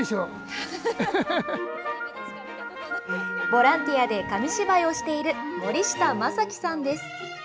ボランティアで紙芝居をしている森下昌毅さんです。